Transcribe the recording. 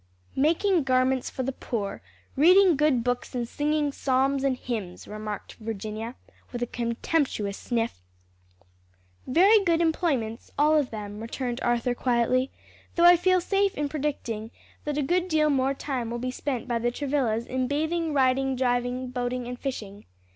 "Making garments for the poor, reading good books and singing psalms and hymns," remarked Virginia with a contemptuous sniff. "Very good employments, all of them," returned Arthur quietly, "though I feel safe in predicting that a good deal more time will be spent by the Travillas in bathing, riding, driving, boating and fishing.